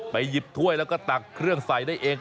หยิบถ้วยแล้วก็ตักเครื่องใส่ได้เอง